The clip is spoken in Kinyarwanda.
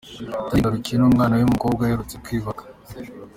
Daniel Ngarukiye n'umwana we w'umukobwa aherutse kwibaruka.